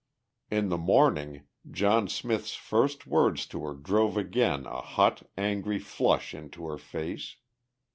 In the morning John Smith's first words to her drove again a hot, angry flush into her face.